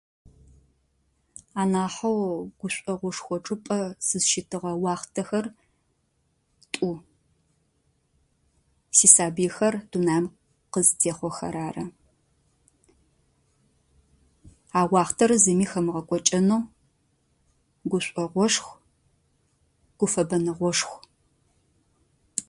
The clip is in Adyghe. Анахьоу гушӏогъошхо чӏыпӏэ сызщитыгъэ уахътэхэр тӏу: сисабыйхэр дунаим къызтехъохэр ары. А уахътэр зыми хэмыгъэкӏокӏэнэу гушӏогъошху, гуфэбэныгъошху.